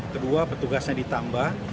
kedua petugasnya ditambah